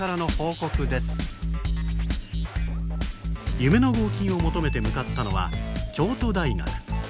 夢の合金を求めて向かったのは京都大学。